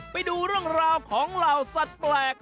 ไปดูเรื่องของเราสัตว์แปลก